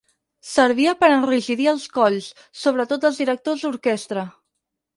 Servia per enrigidir els colls, sobretot dels directors d'orquestra.